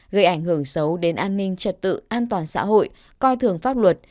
gây ảnh hưởng xấu đến an ninh trật tự an toàn xã hội coi thường pháp luật